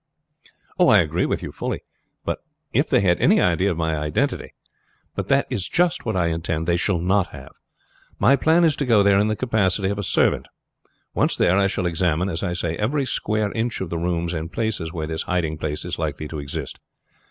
"I agree with you, if they had any idea of my identity; but that is just what I intend they shall not have. My plan is to go there in the capacity of a servant. Once there I shall examine, as I say, every square inch of the rooms and places where this hiding place is likely to exist.